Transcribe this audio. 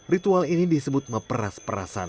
ritual ini disebut memperas perasan